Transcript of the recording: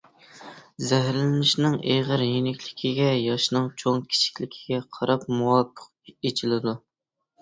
زەھەرلىنىشنىڭ ئېغىر يېنىكلىكىگە، ياشنىڭ چوڭ-كىچىكلىكىگە قاراپ مۇۋاپىق ئىچىلىدۇ.